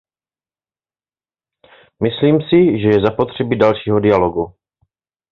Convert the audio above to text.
Myslím si, že je zapotřebí dalšího dialogu.